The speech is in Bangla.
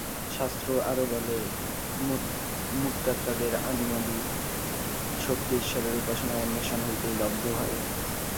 শাস্ত্র আরও বলেন, মুক্তাত্মাদের অণিমাদি-শক্তি ঈশ্বরের উপাসনা ও অন্বেষণ হইতেই লব্ধ হয়।